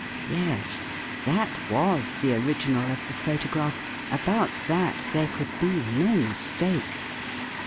Yes, that was the original of the photograph — about that there could be no mistake.